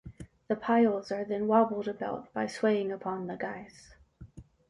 The piles are then wobbled about, by swaying upon the guys.